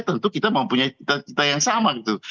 tentu kita mempunyai kita yang sama gitu